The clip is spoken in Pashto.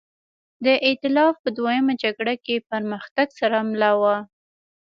د اېتلاف په دویمه جګړه کې پرمختګ سره مله وه.